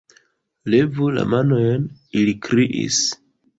"Levu la manojn", ili kriis.